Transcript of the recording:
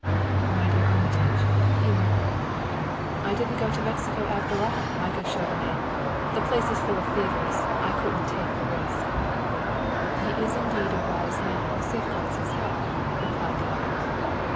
"My dear Armitage!" he murmured. "I didn't go to Mexico after all, my good Chauvenet. The place is full of fevers; I couldn't take the risk." "He is indeed a wise man who safeguards his health," replied the other.